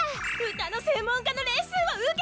歌の専門家のレッスンを受けて！